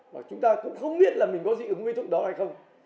và chúng ta cũng không biết là mình có dị ứng nguyên thuốc đó hay không